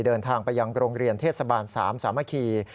เดินทางไปยังโรงเรียนเทศบาล๓สามคีย์